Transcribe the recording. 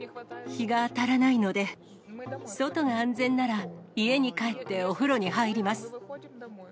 日が当たらないので、外が安全なら、家に帰ってお風呂に入ります。